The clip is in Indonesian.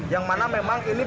yang mana memang ini